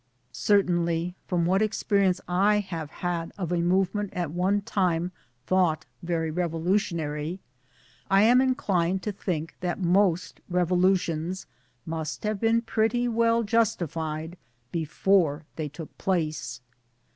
Certainly from what experience I have had of a movement at one time thought very revolutionary, I am inclined to think that most revolutions must have been pretty well justified before they took place.